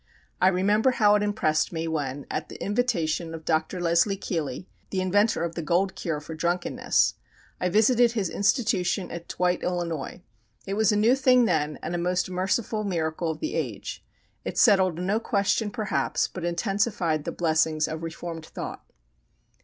I remember how it impressed me, when, at the invitation of Dr. Leslie Keeley, the inventor of the "Gold Cure" for drunkenness, I visited his institution at Dwight, Ill. It was a new thing then and a most merciful miracle of the age. It settled no question, perhaps, but intensified the blessings of reformed thought.